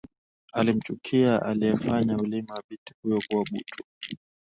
Alimchukia aliefanya ulimi wa binti huyo kuwa butu